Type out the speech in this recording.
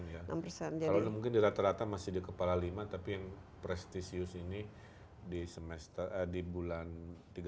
kalau mungkin di rata rata masih di kepala lima tapi yang prestisius ini di semester di tiga bulan terakhir itu enam tujuh